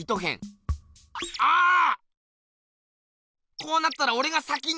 こうなったらおれが先に。